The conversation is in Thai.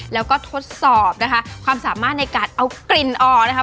แล้วก็ทดสอบนะคะความสามารถในการเอากลิ่นออกนะคะ